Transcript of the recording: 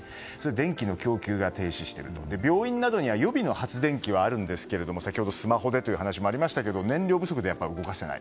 電気の供給が停止していて病院などでは予備の発電機はあるんですが先ほど、スマホでという話もありましたが燃料不足で動かせない。